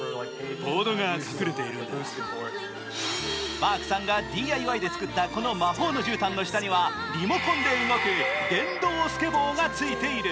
マークさんがＤＩＹで作ったこの魔法のじゅうたんの下にはリモコンで動く電動スケボーがついている。